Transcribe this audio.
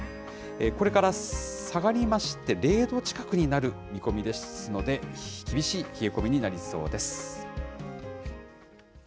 これから下がりまして、０度近くになる見込みですので、厳しい冷え込みになりそうです。